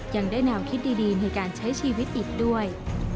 ยังได้แนวคิดดีในการใช้ชีวิตอีกด้วย